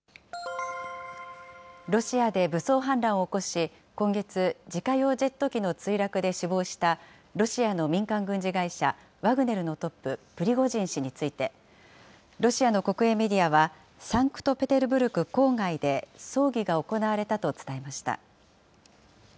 ロシアで武装反乱を起こし、今月、自家用ジェット機の墜落で死亡したロシアの民間軍事会社ワグネルのトップ、プリゴジン氏について、ロシアの国営メディアは、サンクトペテルブルク郊外で葬儀が行われたと伝えました。